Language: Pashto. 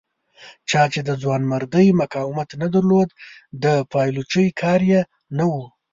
چا چې د ځوانمردۍ مقاومت نه درلود د پایلوچۍ کار یې نه و.